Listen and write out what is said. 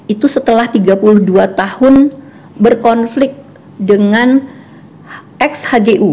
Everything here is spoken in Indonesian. itu setelah tiga puluh dua tahun berkonflik dengan ex hgu